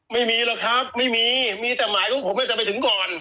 ไม่มีหรอกครับไม่มีมีแต่หมายของผมจะไปถึงก่อน